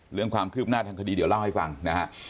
เรื่องความคืบหน้าทางคดีเดี๋ยวเล่าให้ฟังนะฮะ